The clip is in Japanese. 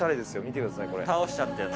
見てくださいこれ。